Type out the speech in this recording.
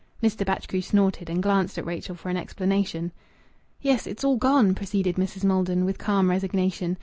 Mr. Batchgrew snorted, and glanced at Rachel for an explanation. "Yes. It's all gone," proceeded Mrs. Maldon with calm resignation.